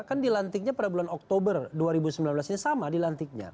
kan dilantiknya pada bulan oktober dua ribu sembilan belas ini sama dilantiknya